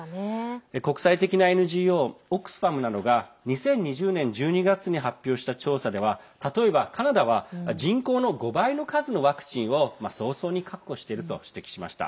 国際的なＮＧＯオックスファムなどが２０２０年１２月に発表した調査では、例えばカナダは人口の５倍の数のワクチンを早々に確保していると指摘しました。